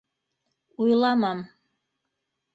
Уйламам.